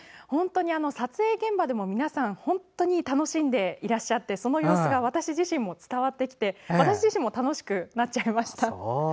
撮影現場でも皆さん本当に楽しんでいらっしゃってその様子が私自身伝わってきて私自身も楽しくなっちゃいました。